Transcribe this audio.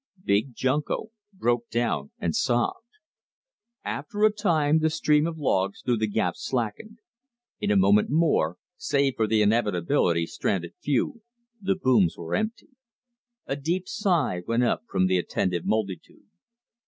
Big Junko broke down and sobbed. After a time the stream of logs through the gap slackened. In a moment more, save for the inevitably stranded few, the booms were empty. A deep sigh went up from the attentive multitude.